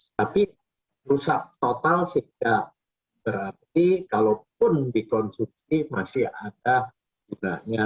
tapi rusak total sehingga berarti kalaupun dikonsumsi masih ada tidaknya